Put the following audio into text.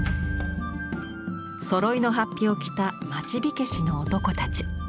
そろいの法被を着た町火消しの男たち。